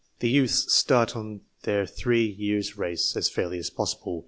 The youths start on their three years' race as fairly as possible.